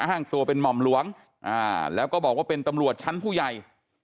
อ้างตัวเป็นหม่อมหลวงแล้วก็บอกว่าเป็นตำรวจชั้นผู้ใหญ่